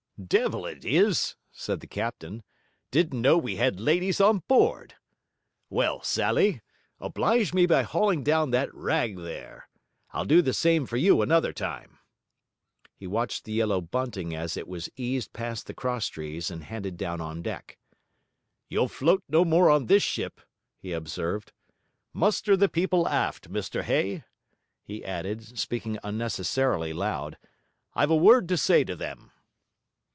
'Devil it is,' said the captain. 'Didn't know we had ladies on board. Well, Sally, oblige me by hauling down that rag there. I'll do the same for you another time.' He watched the yellow bunting as it was eased past the cross trees and handed down on deck. 'You'll float no more on this ship,' he observed. 'Muster the people aft, Mr Hay,' he added, speaking unnecessarily loud, 'I've a word to say to them.'